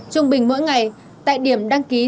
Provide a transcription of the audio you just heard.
trung bình mỗi ngày tại điểm đăng ký